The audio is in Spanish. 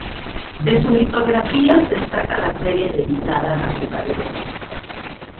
De sus litografías destaca la serie dedicada a la ciudad de Venecia.